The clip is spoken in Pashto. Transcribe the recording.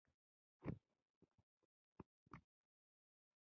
یا یوې پېښې په کیدو یا د یو حالت په راڅرګندیدو دلالت کوي.